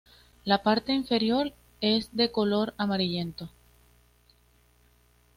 La parte inferior es de color amarillento.